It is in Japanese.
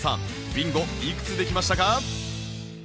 ビンゴいくつできましたか？